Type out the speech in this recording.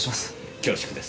恐縮です。